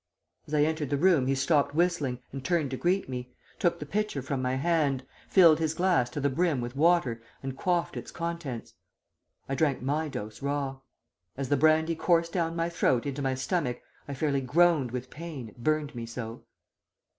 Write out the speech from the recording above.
As I entered the room he stopped whistling and turned to greet me, took the pitcher from my hand, filled his glass to the brim with water and quaffed its contents. I drank my dose raw. As the brandy coursed down my throat into my stomach I fairly groaned with pain, it burned me so.